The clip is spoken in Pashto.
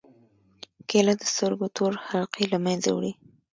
کېله د سترګو تور حلقې له منځه وړي.